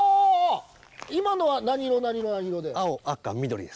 今のは何色何色何色で？